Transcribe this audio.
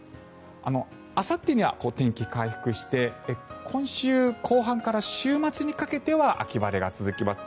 あさってには天気が回復して今週後半から週末にかけては秋晴れが続きます。